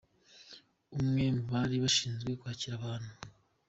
Umwe mu bari bashinzwe kwakira abantu.